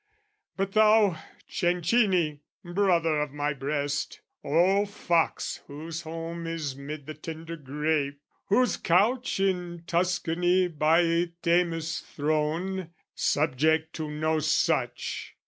"But thou, Cencini, brother of my breast, "O fox, whose home is 'mid the tender grape, "Whose couch in Tuscany by Themis' throne, "Subject to no such...